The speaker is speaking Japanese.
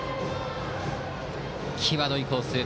際どいコース。